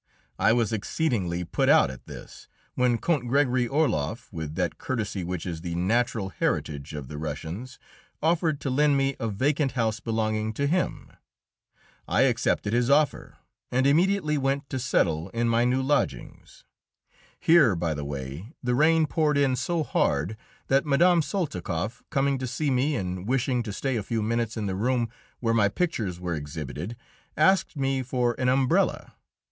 I was exceedingly put out at this, when Count Gregory Orloff, with that courtesy which is the natural heritage of the Russians, offered to lend me a vacant house belonging to him. I accepted his offer, and immediately went to settle in my new lodgings. Here, by the way, the rain poured in so hard that Mme. Soltikoff, coming to see me and wishing to stay a few minutes in the room where my pictures were exhibited, asked me for an umbrella.